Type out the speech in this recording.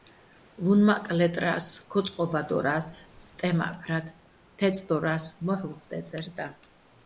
უ̂ნმაკ ლე́ტრა́ს, ქო წყო́ბადორა́ს სტემა́ჸფრათ, თე́წდორა́ს მოჰ̦ უ̂ხ დე́წერ დაჼ.